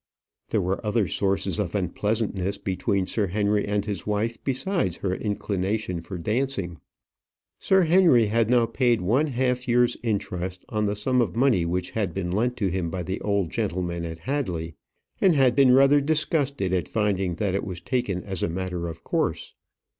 There were other sources of unpleasantness between Sir Henry and his wife besides her inclination for dancing. Sir Henry had now paid one half year's interest on the sum of money which had been lent to him by the old gentleman at Hadley, and had been rather disgusted at finding that it was taken as a matter of course.